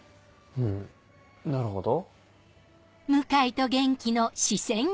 うんなるほど。